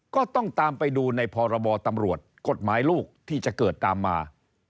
ก็ต้องตามไปดูในพรบตำรวจกฎหมายลูกที่จะเกิดตามมา